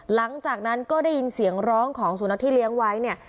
หลังจากนั้นก็ได้ยินเสียงร้องของสุนัขที่เลี้ยงไว้เนี่ย